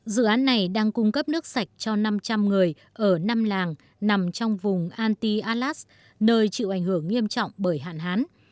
dự án này đang cung cấp nước sạch cho năm trăm linh người ở năm làng nằm trong vùng anti alas nơi chịu ảnh hưởng nghiêm trọng bởi hạn hán